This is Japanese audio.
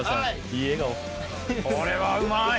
これはうまい！